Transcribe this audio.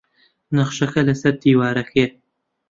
نەخشەکە لەسەر دیوارەکەیە.